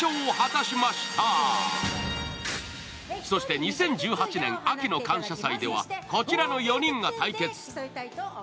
そして２０１８年秋の「感謝祭」ではこちらの４人が対決。